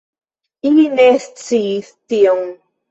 Ili ne sciis tion.